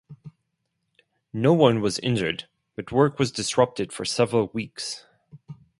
No one was injured, but work was disrupted for several weeks.